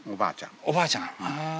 おばあちゃん？は。